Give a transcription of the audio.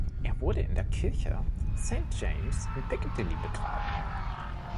Er wurde in der Kirche Saint James's in Piccadilly begraben.